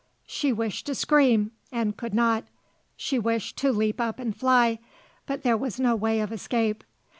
She wished to scream, and could not; she wished to leap up and fly, but there was no way of escape.